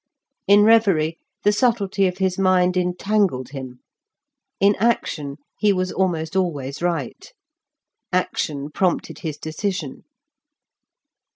In reverie, the subtlety of his mind entangled him; in action, he was almost always right. Action prompted his decision.